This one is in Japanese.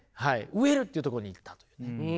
植えるっていうとこに行ったという。